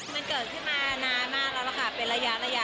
มันเกิดขึ้นมานานมากแล้วล่ะค่ะเป็นระยะ